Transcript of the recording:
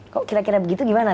kok kira kira begitu gimana